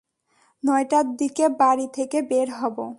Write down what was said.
নয়টার দিকে বাড়ি থেকে বের হব।